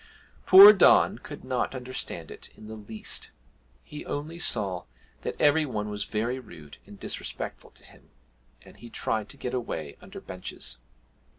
Poor Don could not understand it in the least; he only saw that every one was very rude and disrespectful to him, and he tried to get away under benches.